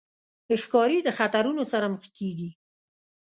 ښکاري د خطرونو سره مخ کېږي.